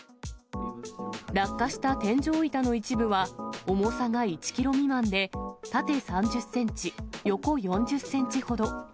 落下した天井板の一部は、重さが１キロ未満で、縦３０センチ、横４０センチほど。